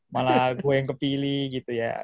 malah gue yang kepilih gitu ya